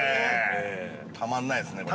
たまんないですね、これ。